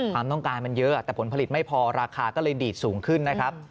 ความต้องการมันเยอะแต่ผลผลิตไม่พอราคาก็เลยดีดสูงขึ้นนะครับ